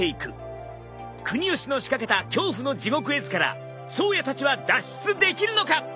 国芳の仕掛けた恐怖の地獄絵図から颯也たちは脱出できるのか？